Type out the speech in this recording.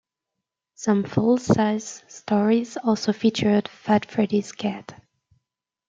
Some full-size stories also featured Fat Freddy's Cat.